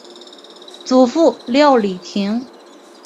祖父廖礼庭。